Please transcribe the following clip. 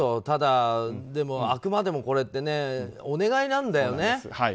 ただ、あくまでもこれってお願いなんだよね。